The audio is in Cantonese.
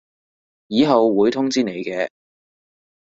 以後會通知你嘅